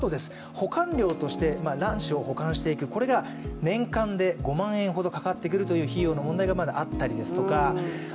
保管料として卵子を保管していく、これが年間で５万円ほどかかってくるという費用がまだあったりですとか